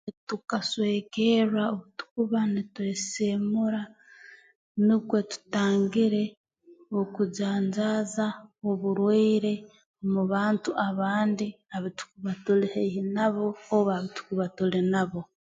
Nitukaswekerra obu tuba ntweseemuura nukwo tutangire okujanjaaza obuwaire mu bantu abandi aba tukuba tuli haihi nabo oba aba tukuba tuli nabo